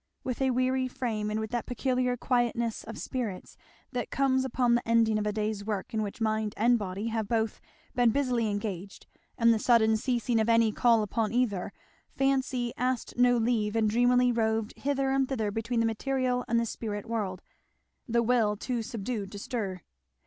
With a weary frame, and with that peculiar quietness of spirits that comes upon the ending of a days work in which mind and body have both been busily engaged, and the sudden ceasing of any call upon either, fancy asked no leave and dreamily roved hither and thither between the material and the spirit world; the will too subdued to stir.